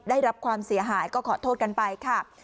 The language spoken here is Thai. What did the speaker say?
ได้รับความเสียหายก็ขอโทษกันไปค่ะ